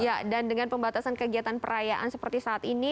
ya dan dengan pembatasan kegiatan perayaan seperti saat ini